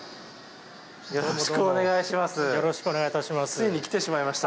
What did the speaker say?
よろしくお願いします。